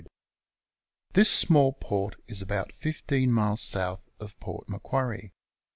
This small port is about 15 miles S. of Port Macquarie.